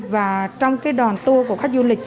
và trong đoàn tour của khách du lịch